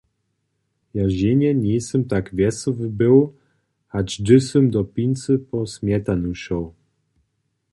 Ja ženje njejsym tak wjesoły był, hač hdyž sym do pincy po smjetanu šoł.